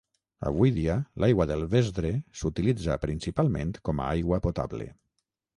Avui dia, l'aigua del Vesdre s'utilitza principalment com a aigua potable.